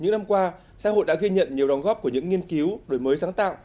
những năm qua xã hội đã ghi nhận nhiều đóng góp của những nghiên cứu đổi mới sáng tạo